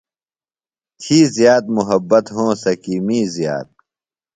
تھی زِیات محبت ہونسہ کی می زیات۔